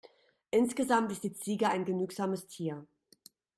Insgesamt ist die Ziege ein genügsames Tier.